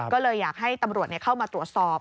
ก็เลยอยากให้ตำรวจเข้ามาตรวจสอบ